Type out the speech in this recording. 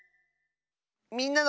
「みんなの」。